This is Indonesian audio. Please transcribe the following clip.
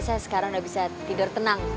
saya sekarang udah bisa tidur tenang